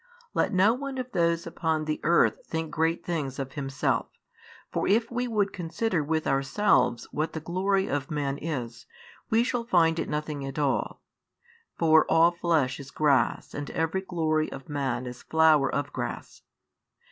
Let no one of those upon the earth think great things of himself; for if we would consider with ourselves what the glory of man is, we shall find it nothing at all; for all flesh is grass and every glory of man as flower of grass.